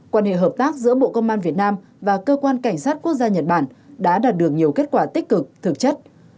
quan hệ hợp tác giữa bộ công an việt nam và cơ quan cảnh sát quốc gia nhật bản đã đạt được nhiều kết quả tích cực thực chất